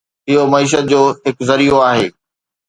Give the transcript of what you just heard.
اهو معيشت جو هڪ ذريعو آهي